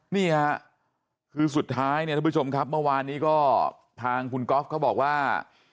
นี่ค่ะคือสุดท้ายเนี่ยทุกผู้ชมครับเมื่อวานนี้ก็ทางคุณก๊อฟเขาบอกว่า